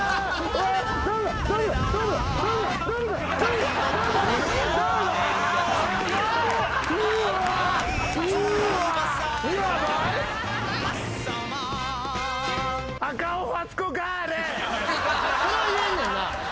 それは言えんねんな。